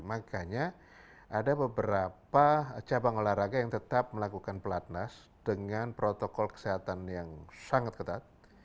makanya ada beberapa cabang olahraga yang tetap melakukan pelatnas dengan protokol kesehatan yang sangat ketat